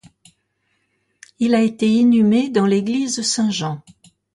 Il a été inhumé dans l'église Saint-Jean.